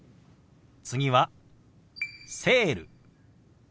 次は「セール」。